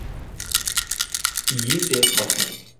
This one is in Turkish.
İyice bakın.